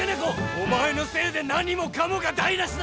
お前のせいで何もかもが台なしだ！